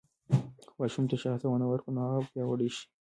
که ماشوم ته ښه هڅونه ورکو، نو هغه به پیاوړی شي.